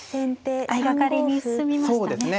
相掛かりに進みましたね。